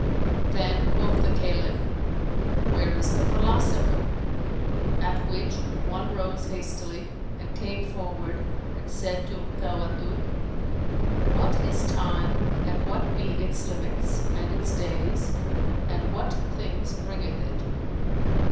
Then quoth the Caliph, "Where is the philosopher[FN#429]?"; at which one rose hastily and came forward and said to Tawaddud, "What is Time and what be its limits, and its days, and what things bringeth it?"